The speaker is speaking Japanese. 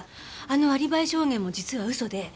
あのアリバイ証言も実は嘘で。